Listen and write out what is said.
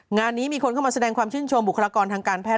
งานนี้มีคนเข้ามาแสดงความชื่นชมบุคลากรทางการแพท